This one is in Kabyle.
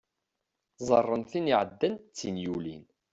Ẓẓaren tin iɛeddan d tin yulin.